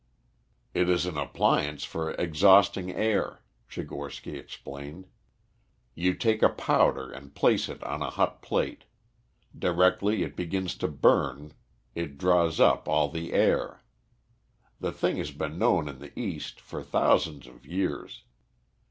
"It is an appliance for exhausting air," Tchigorsky explained. "You take a powder and place it on a hot plate. Directly it begins to burn it draws up all the air. The thing has been known in the East for thousands of years.